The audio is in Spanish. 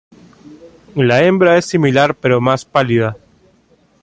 La hembra es similar pero más pálida.